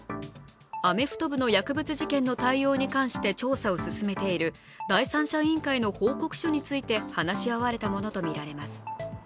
アメフト部の薬物事件の対応に関して調査を進めている第三者委員会の報告書について話し合われたものとみられます。